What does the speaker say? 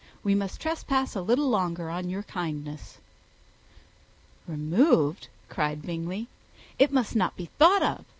We must trespass a little longer on your kindness." "Removed!" cried Bingley. "It must not be thought of.